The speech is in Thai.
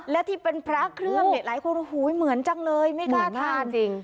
แล้วที่เป็นพระเครื่องหลายคนเหมือนจังเลยไม่กล้าทาน